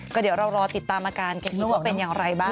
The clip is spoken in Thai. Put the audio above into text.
ก็เดี๋ยวเรารอติดตามอาการกันด้วยว่าเป็นอย่างไรบ้าง